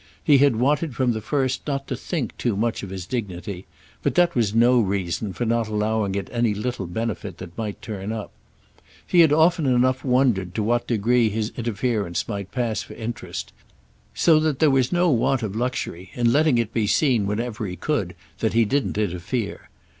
He had wanted from the first not to think too much of his dignity, but that was no reason for not allowing it any little benefit that might turn up. He had often enough wondered to what degree his interference might pass for interested; so that there was no want of luxury in letting it be seen whenever he could that he didn't interfere.